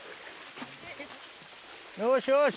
よしよし。